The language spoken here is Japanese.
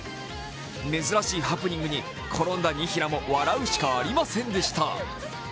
珍しいハプニングに転んだ仁平も笑うしかありませんでした。